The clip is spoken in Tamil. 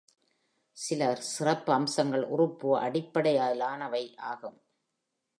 பல சிறப்பம்சங்கள் உறுப்பு அடிப்படையிலானவை ஆகும்.